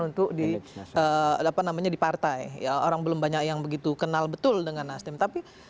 untuk di apa namanya di partai orang belum banyak yang begitu kenal betul dengan nasdem tapi